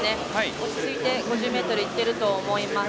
落ち着いて５０ｍいっていると思います。